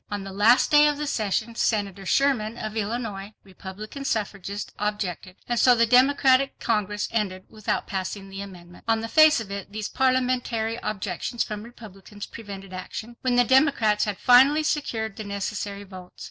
On the last day of the session, Senator Sherman of Illinois, Republican suffragist, objected. And so the Democratic Congress ended without passing the amendment. On the face of it, these parliamentary objections from Republicans prevented action, when the Democrats had finally secured the necessary votes.